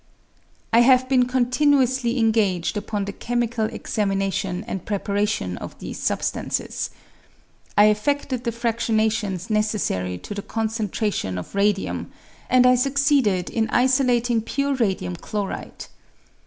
I have been continuously engaged upon the chemical examination and preparation of these substances. I effeded the fradionations necessary to the concentration of radium, and I succeeded in isolating pure radium chloride.